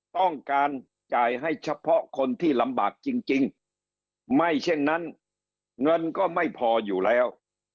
ต้องการจ่ายให้เฉพาะคนที่ลำบากจริงไม่เช่นนั้นเงินก็ไม่พออยู่แล้ว